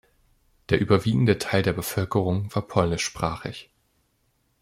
Der überwiegende Teil der Bewohner war polnischsprachig.